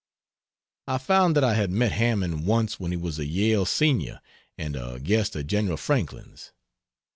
I found that I had met Hammond once when he was a Yale senior and a guest of Gen. Franklin's.